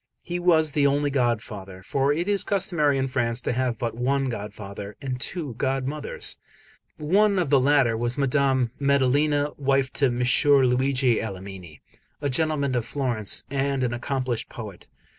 He was the only godfather; for it is customary in France to have but one godfather and two godmothers. One of the latter was Madame Maddalena, wife to M. Luigi Alamanni, a gentleman of Florence and an accomplished poet.